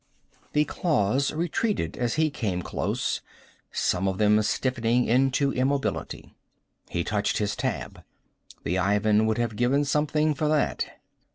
The claws retreated as he came close, some of them stiffening into immobility. He touched his tab. The Ivan would have given something for that!